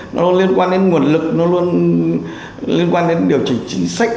nó luôn liên quan đến nguồn lực nó luôn liên quan đến điều chỉnh chính sách